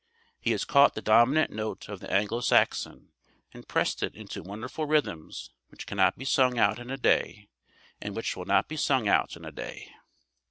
He has caught the dominant note of the Anglo Saxon and pressed it into wonderful rhythms which cannot be sung out in a day and which will not be sung out in a day.